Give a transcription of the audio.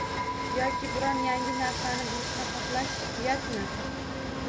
Yoki biron yangi narsani bilishni xohlash uyatmi?